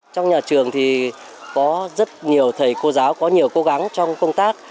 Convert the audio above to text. trong nhà trường thì có rất nhiều thầy cô giáo có nhiều cố gắng trong công tác